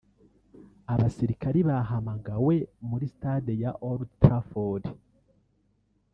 Abasirikare bahamagawe muri stade ya Old Trafford